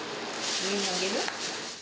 上に上げる？